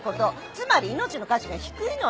つまり命の価値が低いのよ。